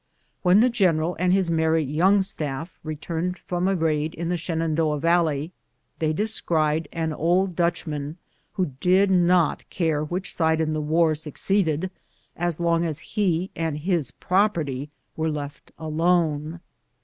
When the gen eral and his merry young staff returned from a raid in the Shenandoah Valley, they descried an old Dutchman, who did not care which side in the war succeeded, so long as he and his property were left alone.